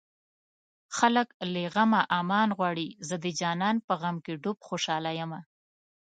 خلک له غمه امان غواړي زه د جانان په غم کې ډوب خوشاله يمه